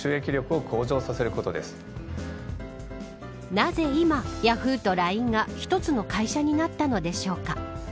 なぜ今、ヤフーとＬＩＮＥが１つの会社になったのでしょうか。